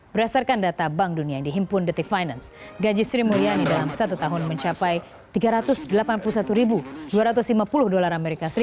berdasarkan data bank dunia yang dihimpun detik finance gaji sri mulyani dalam satu tahun mencapai rp tiga ratus delapan puluh satu dua ratus lima puluh dolar as